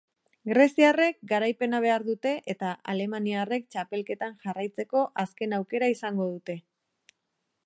Greziarrek garaipena behar dute eta alemaniarrek txapelketan jarraitzeko azken aukera izango dute.